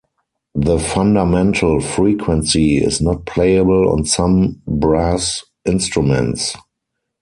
The fundamental frequency is not playable on some brass instruments.